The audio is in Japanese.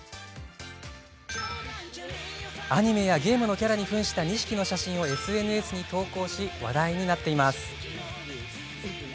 アニメやゲームのキャラにふんした２匹の写真をＳＮＳに投稿し話題になっています。